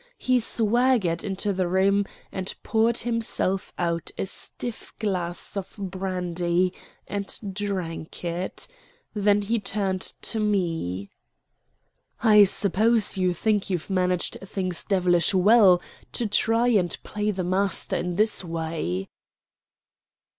He swaggered into the room and poured himself out a stiff glass of brandy and drank it. Then he turned to me. "I suppose you think you've managed things devilish well to try and play the master in this way?"